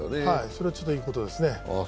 それはちょっといいことですね。